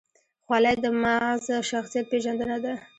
خولۍ د معزز شخصیت پېژندنه ده.